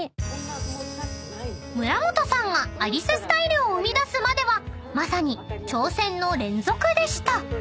［村本さんがアリススタイルを生み出すまではまさに挑戦の連続でした］